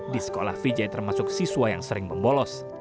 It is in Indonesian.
di sekolah vijay termasuk siswa yang sering membolos